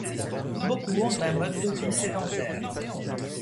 Beaucoup ont un mode de vie sédentaire.